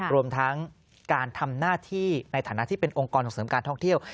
รวมทั้งการทำหน้าที่ในฐานะที่เป็นองค์กรของเสริมการท่องเที่ยว